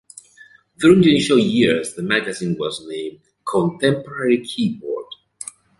During the initial years the magazine was named "Contemporary Keyboard".